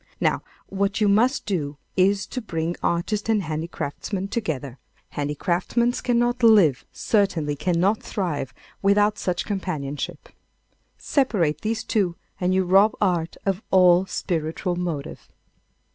Now, what you must do is to bring artists and handicraftsmen together. Handicraftsmen cannot live, certainly cannot thrive, without such companionship. Separate these two and you rob art of all spiritual motive.